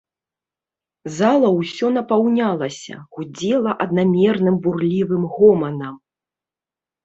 Зала ўсё напаўнялася, гудзела аднамерным бурлівым гоманам.